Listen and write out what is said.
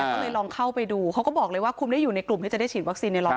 ก็เลยลองเข้าไปดูเขาก็บอกเลยว่าคุณได้อยู่ในกลุ่มที่จะได้ฉีดวัคซีนใน๑๐๐